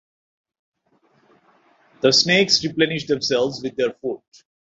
The snakes replenish themselves with their food.